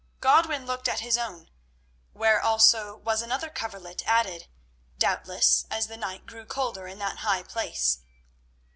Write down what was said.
Godwin looked at his own, where also was another coverlet added, doubtless as the night grew colder in that high place.